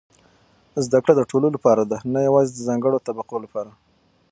زده کړه د ټولو لپاره ده، نه یوازې د ځانګړو طبقو لپاره.